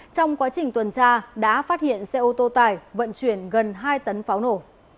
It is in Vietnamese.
trong quá trình tuần tra đã phát hiện xe ô tô tải vận chuyển gần hai tấn pháo nổ